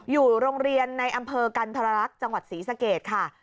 อยู่โรงเรียนในอำเภอกันธรรักษ์จังหวัดศรีสะเกดค่ะ